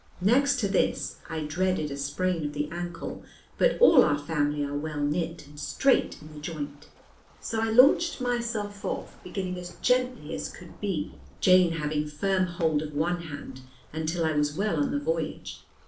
Next to this I dreaded a sprain of the ankle, but all our family are well knit and straight in the joint. So I launched myself off, beginning as gently as could be, Jane having firm hold of one hand, until I was well on the voyage.